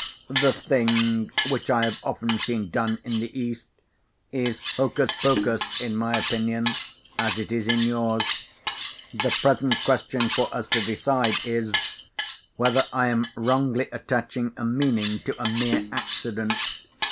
The thing (which I have often seen done in the East) is 'hocus pocus' in my opinion, as it is in yours. The present question for us to decide is, whether I am wrongly attaching a meaning to a mere accident?